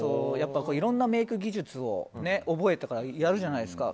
いろんなメイク技術を覚えたからやるじゃないですか。